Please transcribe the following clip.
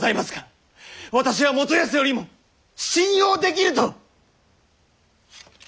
私は元康よりも信用できぬと！